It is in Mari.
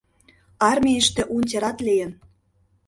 Армийыште унтерат лийын.